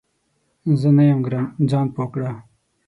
زه نه یم ګرم ، ځان پوه کړه !